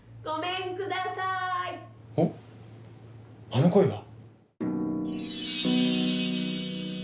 あの声は。